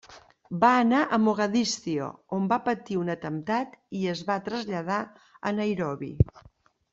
Va anar a Mogadiscio on va patir un atemptat i es va traslladar a Nairobi.